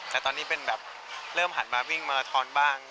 แต่ตอนนี้เป็นแบบเริ่มหันมาวิ่งมาราทอนบ้าง